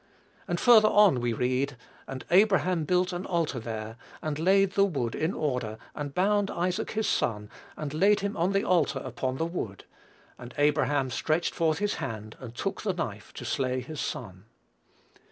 And further on we read, "And Abraham built an altar there; and laid the wood in order; and bound Isaac his son, and laid him on the altar upon the wood. And Abraham stretched forth his hand, and took the knife to slay his son."